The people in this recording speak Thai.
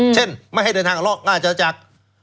เช่นไม่ให้เดินทางออกนอกราชนาจักร